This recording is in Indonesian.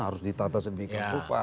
harus ditata sedikit